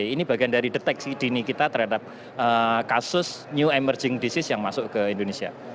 ini bagian dari deteksi dini kita terhadap kasus new emerging disease yang masuk ke indonesia